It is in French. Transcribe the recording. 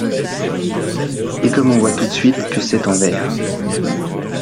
Et comme on voit tout de suite que c’est en vers !